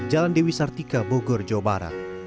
jalan dewi sartika bogor jawa barat